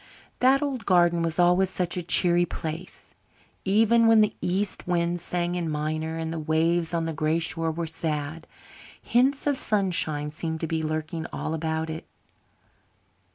That old garden was always such a cheery place. Even when the east wind sang in minor and the waves on the gray shore were sad, hints of sunshine seemed to be lurking all about it.